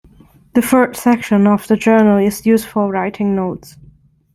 The third section of the journal is used for writing notes.